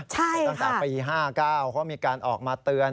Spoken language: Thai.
ตั้งแต่ปี๕๙เขามีการออกมาเตือน